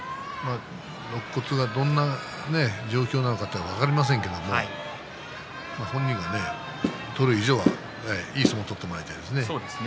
ろっ骨がどんな状況なのか分かりませんけど本人が取る以上はいい相撲を取ってもらいたいですね。